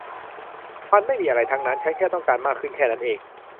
มันไม่มีอะไรทั้งนั้น ฉันแค่ต้องการมากขึ้นแค่นั้นเอง